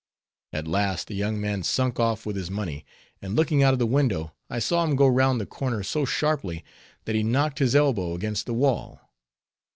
At last the young man sunk off with his money, and looking out of the window, I saw him go round the corner so sharply that he knocked his elbow against the wall.